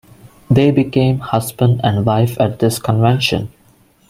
They became husband and wife at this convention.